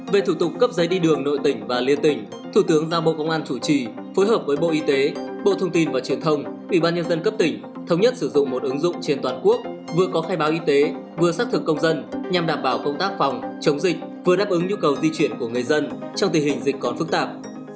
về thủ tục cấp giấy đi đường nội tỉnh và liên tỉnh thủ tướng ra bộ công an chủ trì phối hợp với bộ y tế bộ thông tin và truyền thông ủy ban nhân dân cấp tỉnh thống nhất sử dụng một ứng dụng trên toàn quốc vừa có khai báo y tế vừa xác thực công dân nhằm đảm bảo công tác phòng chống dịch vừa đáp ứng nhu cầu di chuyển của người dân trong tình hình dịch còn phức tạp